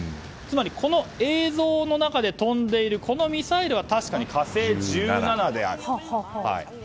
つまり、この映像の中で飛んでいるミサイルは確かに「火星１７」であると。